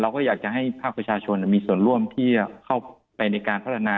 ก็อยากจะให้ภาคประชาชนมีส่วนร่วมที่เข้าไปในการพัฒนา